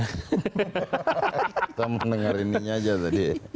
kita mendengar ininya aja tadi